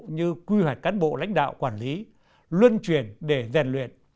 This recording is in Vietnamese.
như quy hoạch cán bộ lãnh đạo quản lý luân truyền để rèn luyện